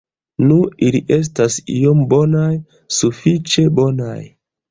Nu, ili estas iom bonaj, sufiĉe bonaj.